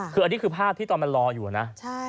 คืออันนี้คือภาพที่ตอนมันรออยู่นะ